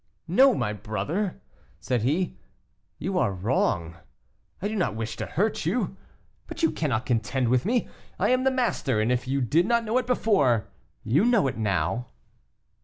"No, my brother," said he, "you are wrong; I do not wish to hurt you, but you cannot contend with me. I am the master, and if you did not know it before, you know it now."